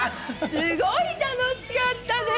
すごい楽しかったです！